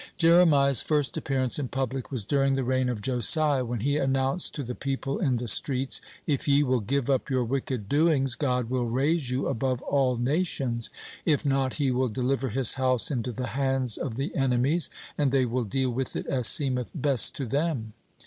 Jeremiah's first appearance in public was during the reign of Josiah, when he announced to the people in the streets: "If ye will give up your wicked doings, God will raise you above all nations; if not, He will deliver His house into the hands of the enemies, and they will deal with it as seemeth best to them."